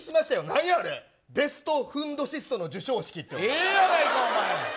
ベストフンドシストの受賞式ってなんやねん。